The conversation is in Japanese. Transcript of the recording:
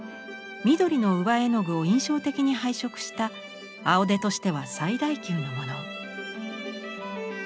緑の上絵の具を印象的に配色した「青手」としては最大級のもの。